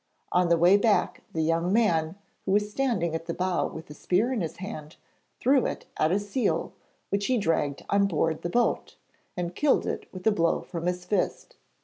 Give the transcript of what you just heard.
On the way back the young man who was standing at the bow with a spear in his hand threw it at a seal, which he dragged on board the boat, and killed it with a blow from his fist.